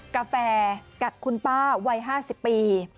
กาแฟกับคุณป้าวัย๕๐ปี